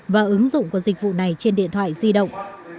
và ứng dụng của dịch vụ này trên điện thoại di động